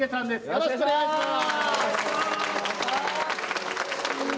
よろしくお願いします！